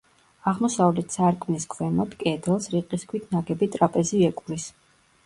აღმოსავლეთ სარკმლის ქვემოთ, კედელს, რიყის ქვით ნაგები ტრაპეზი ეკვრის.